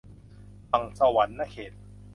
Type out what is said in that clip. ฝั่งสะหวันนะเขต